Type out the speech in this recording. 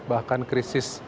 bahkan ketinggalan timur tengah